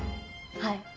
はい。